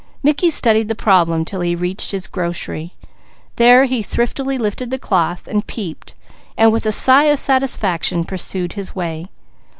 He studied the problem till he reached his grocery. There he thriftily lifted the cloth to peep, and with a sigh of satisfaction pursued his way.